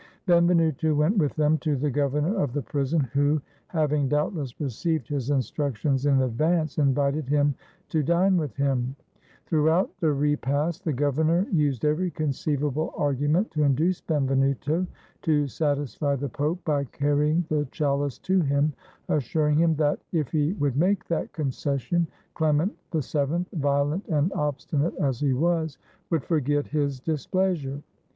Benvenuto went with them to the governor of the prison, who, having doubtless received his instructions in advance, invited him to dine with him. Throughout 66 BENVENUTO CELLINI the repast the governor used every conceivable argu ment to induce Benvenuto to satisfy the Pope by carrying the chalice to him, assuring him that, if he would make that concession, Clement VII, violent and obstinate as he was, would forget his displeasure.